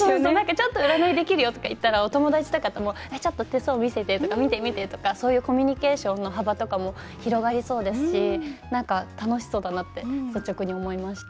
ちょっと占いできるよとか言ったら、お友達とかともちょっと手相見せてとか見て見てとか、そういうコミュニケーションの幅とかも広がりそうですしなんか楽しそうだなって率直に思いました。